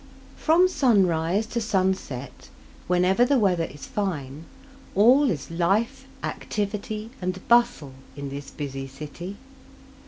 From sunrise to sunset, whenever the weather is fine, all is life, activity, and bustle in this busy city.